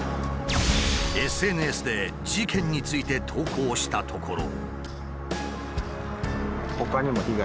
ＳＮＳで事件について投稿したところ。